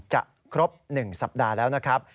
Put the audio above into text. จะครบ๑สัปดาห์แล้วนะครับ